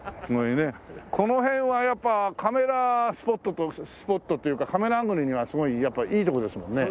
この辺はやっぱカメラスポットスポットというかカメラアングルにはすごいやっぱいい所ですもんね。